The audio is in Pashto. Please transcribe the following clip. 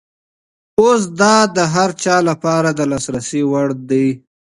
اوس دا د هر چا لپاره د لاسرسي وړ دی.